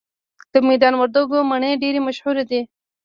د میدان وردګو مڼې ډیرې مشهورې دي